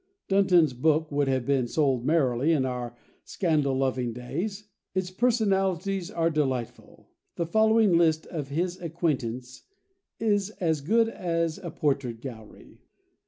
Dunton's book would have sold merrily in our scandal loving days. Its personalities are delightful. The following list of his acquaintance is as good as a portrait gallery.